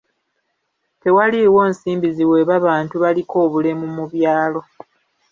Tewaliiwo nsimbi ziweebwa bantu baliko obulemu mu byalo.